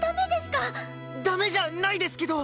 ダメじゃないですけど！